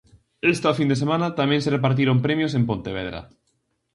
Esta fin de semana tamén se repartiron premios en Pontevedra.